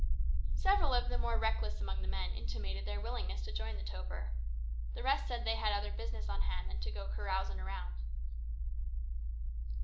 Several of the more reckless among the men intimated their willingness to join the toper. The rest said they had other business on hand than to go carousin' around.